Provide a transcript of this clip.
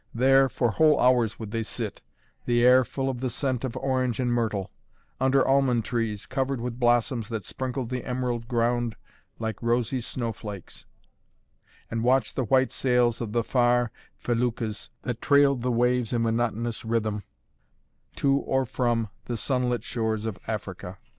There, for whole hours would they sit, the air full of the scent of orange and myrtle; under almond trees, covered with blossoms that sprinkled the emerald ground like rosy snowflakes, and watch the white sails of the far feluccas that trailed the waves in monotonous rhythm to or from the sunlit shores of Africa.